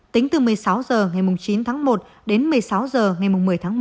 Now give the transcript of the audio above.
tính từ một mươi sáu h ngày mùng chín tháng một đến một mươi sáu h ngày mùng một mươi tháng một